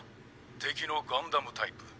敵のガンダムタイプ。